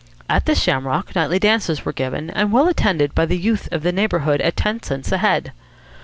At the Shamrock nightly dances were given and well attended by the youth of the neighbourhood at ten cents a head.